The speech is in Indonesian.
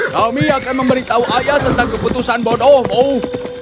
kami akan memberitahu ayah tentang keputusan bodohmu